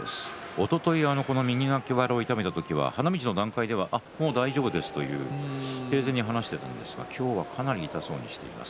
おととい右の脇腹を痛めた時は花道の段階ではもう大丈夫ですと平然に話していたんですが今日はかなり痛そうにしています。